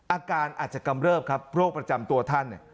อาการอาจจะกำเริบครับโรคประจำตัวท่านเนี่ย